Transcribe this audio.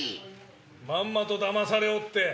まんまとだまされおって！